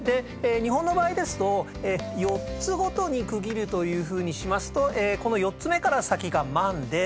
日本の場合ですと４つごとに区切るというふうにしますとこの４つ目から先が万でこっから先が億。